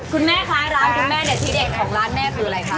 คุณแม่คะร้านคุณแม่เด็ดทีเด็กของร้านแม่คืออะไรคะ